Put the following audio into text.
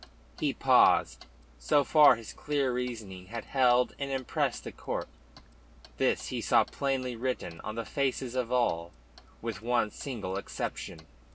He paused. So far his clear reasoning had held and impressed the court. This he saw plainly written on the faces of all with one single exception.